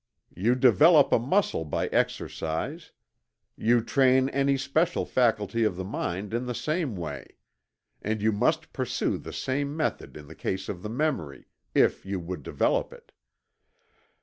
You develop a muscle by exercise; you train any special faculty of the mind in the same way; and you must pursue the same method in the case of the memory, if you would develop it.